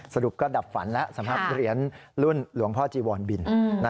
สรุปก็ดับฝันแล้วสำหรับเหรียญรุ่นหลวงพ่อจีวรบิน